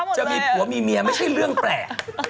จะมีผัวมีเมียไม่ใช่เรื่องแปลก